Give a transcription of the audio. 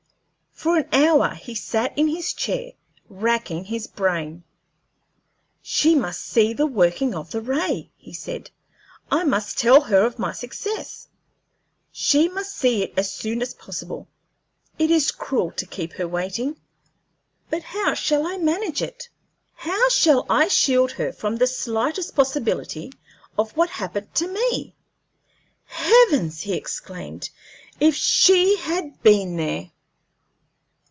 For an hour he sat in his chair, racking his brain. "She must see the working of the ray," he said. "I must tell her of my success. She must see it as soon as possible. It is cruel to keep her waiting. But how shall I manage it? How shall I shield her from the slightest possibility of what happened to me? Heavens!" he exclaimed, "if she had been there!"